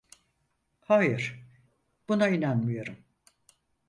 Hayır, buna inanmıyorum.